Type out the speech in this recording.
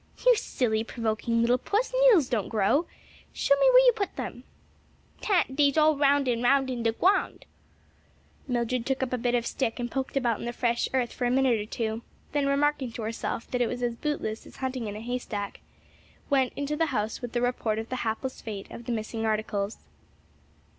"You silly, provoking little puss! needles don't grow. Show me where you put them." "Tan't dey's all round and round in de gwond." Mildred took up a bit of stick and poked about in the fresh earth for a minute or two, then remarking to herself that it was as bootless as hunting in a haystack, went into the house with the report of the hapless fate of the missing articles.